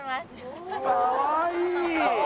かわいい！